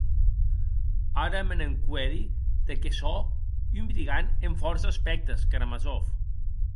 Ara me n'encuedi de qué sò un brigand en fòrça aspèctes, Karamazov.